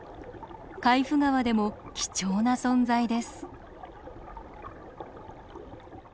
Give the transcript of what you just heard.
海部川でも貴重な存在です。